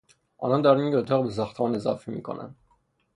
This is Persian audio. آنها دارند یک اتاق به ساختمان اضافه میکنند.